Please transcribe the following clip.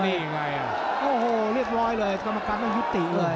โอ้โหเรียกรอยเลยจำกลั๊กอยู่ยุติเลย